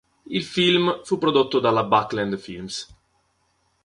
Il film fu prodotto dalla Buckland Films.